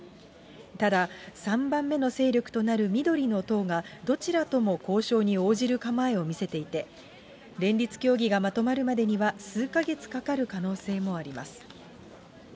ただ、３番目の勢力となる緑の党がどちらとも交渉に応じる構えを見せていて、連立協議がまとまるまでには数か月かかる可能性もあります。